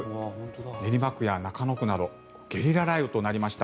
練馬区や中野区などゲリラ雷雨となりました。